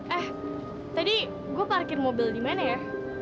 eh tadi gue parkir mobil di mana ya